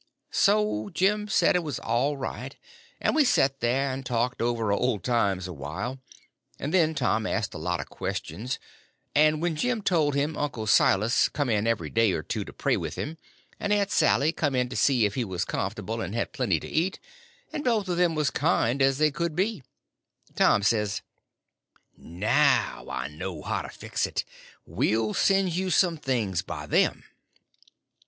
So Jim he said it was all right, and we set there and talked over old times awhile, and then Tom asked a lot of questions, and when Jim told him Uncle Silas come in every day or two to pray with him, and Aunt Sally come in to see if he was comfortable and had plenty to eat, and both of them was kind as they could be, Tom says: "Now I know how to fix it. We'll send you some things by them."